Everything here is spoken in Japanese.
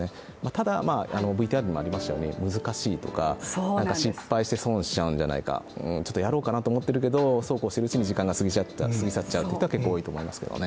ただＶＴＲにもありましたように難しいとか、失敗して損しちゃうんじゃないか、ちょっとやろうかなと思ってるけどそうこうしているうちに時間が過ぎ去ってしまう方も結構、多いと思いますけどね。